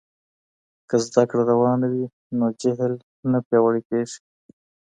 که زده کړه روانه وي نو جهل نه پیاوړی کېږي.